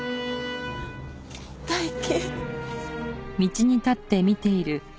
大樹。